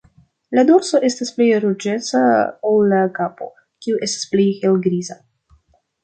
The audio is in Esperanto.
La dorso estas pli ruĝeca ol la kapo, kiu estas pli helgriza.